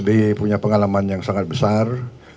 pak sp punya pengalaman yang sangat besar